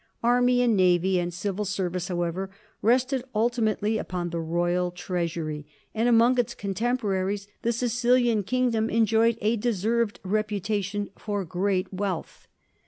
Army and navy and civil ser vice, however, rested ultimately upon the royal treasury, and among its contemporaries the Sicilian kingdom en joyed a deserved reputation for great wealth.